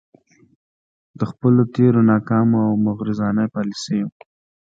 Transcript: د خپلو تیرو ناکامو او مغرضانه يالیسیو